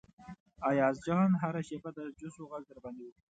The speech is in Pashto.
ایاز جان هره شیبه د جوسو غږ در باندې وکړي.